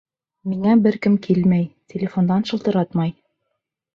Миңә бер кем килмәй, телефондан шылтыратмай.